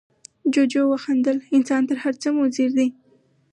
جوجو وخندل، انسان تر هر څه مضر دی.